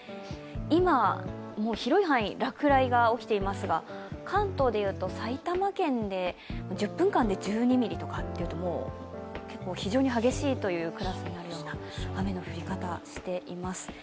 今、広い範囲、落雷が起きていますが関東でいうと埼玉県で１０分間で１２ミリというと非常に激しいというクラスになるような雨の降り方しています。